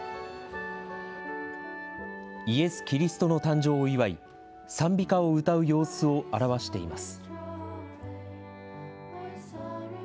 イエス・キリストの誕生を祝い、賛美歌を歌う様子を表しています。